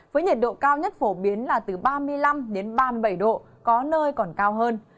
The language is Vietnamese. với nhiệt độ cao nhất phổ biến là từ ba mươi năm ba mươi bảy độ có nơi còn cao hơn